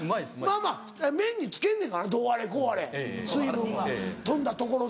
まぁまぁ麺につけんねんからどうあれこうあれ水分が飛んだところで。